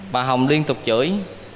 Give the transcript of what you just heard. bà hồng liên tục chửi